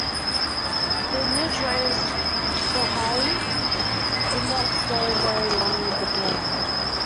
The new choice, Strahli, did not stay very long with the band.